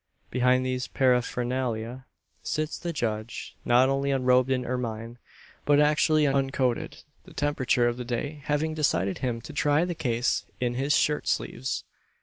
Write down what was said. Behind these paraphernalia sits the judge, not only un robed in ermine, but actually un coated the temperature of the day having decided him to try the case in his shirt sleeves!